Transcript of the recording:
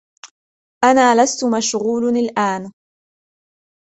أنا لستُ مشغول الأن.